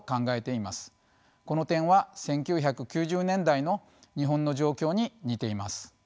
この点は１９９０年代の日本の状況に似ています。